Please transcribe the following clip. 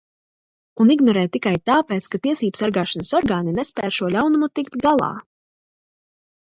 Un ignorē tikai tāpēc, ka tiesībsargāšanas orgāni nespēj ar šo ļaunumu tikt galā.